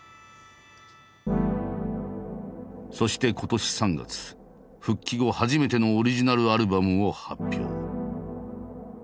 そして今年３月復帰後初めてのオリジナルアルバムを発表。